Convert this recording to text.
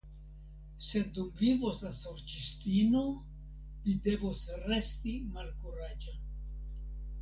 Sed dum vivos la Sorĉistino vi devos resti malkuraĝa.